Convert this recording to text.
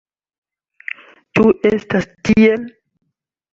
Ĉu estas tiel?